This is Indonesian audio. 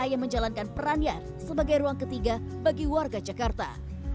yang menjalankan perannya sebagai ruang ketiga bagi warga jakarta